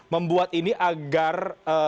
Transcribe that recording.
membuat ini agar